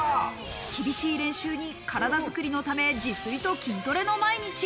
厳しい練習に体づくりのため、自炊と筋トレの毎日。